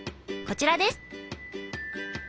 こちらです！